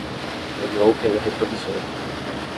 Olhou pelo retrovisor